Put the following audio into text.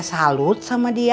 saya salut sama dia